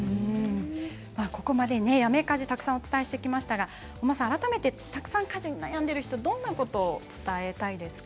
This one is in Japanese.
ここまで、やめ家事をたくさんお伝えしてきましたがたくさん家事に悩んでいる方にどんなことを伝えたいですか？